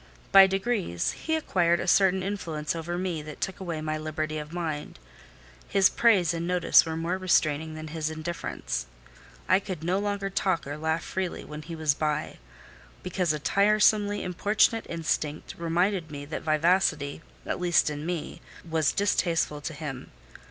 By degrees, he acquired a certain influence over me that took away my liberty of mind: his praise and notice were more restraining than his indifference. I could no longer talk or laugh freely when he was by, because a tiresomely importunate instinct reminded me that vivacity (at least in me) was distasteful to him.